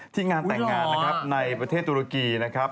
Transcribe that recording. ที่งานแต่งงานในประเทศตุรกีนะครับ